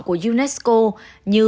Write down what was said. của unesco như